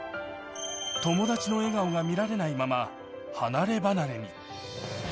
友達の笑顔が見られないまま、離ればなれに。